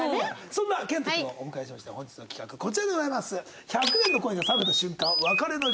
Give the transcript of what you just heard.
そんな遣都君をお迎えしまして本日の企画こちらでございます。